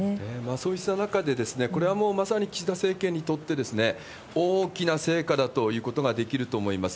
そうした中で、これはもうまさに岸田政権にとって、大きな成果だということができると思います。